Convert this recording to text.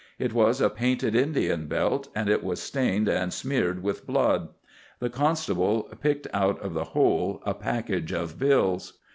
It was a painted Indian belt, and it was stained and smeared with blood. The constable picked out of the hole a package of bills.